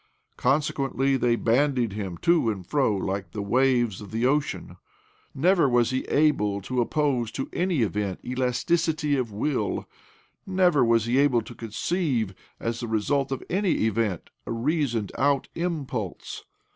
Consequently they bandied him to and fro like the waves of the ocean. Never was he able to oppose to any event elasticity of will ; never was he able to con ceive, as the result of any event, a reasoned out impulse.